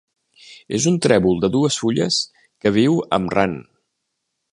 És un trèvol de dues fulles que viu amb Ran.